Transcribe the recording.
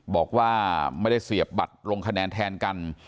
บอกว่าไม่ได้เสียบบัตรลงคะแนนแทนกัน